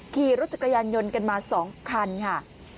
ขี่รถจักรยานยนต์กันมา๒คันค่ะ